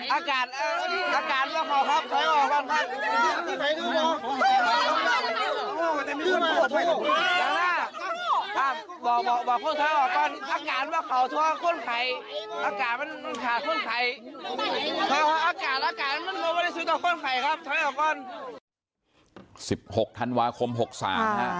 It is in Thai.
อากาศนึกว่าเกิดสุดท้องข้อนไข่ครับ๑๖ธันวาคม๖๓ฮะ